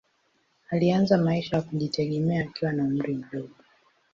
Alianza maisha ya kujitegemea akiwa na umri mdogo.